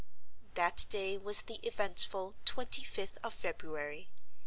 That day was the eventful twenty fifth of February.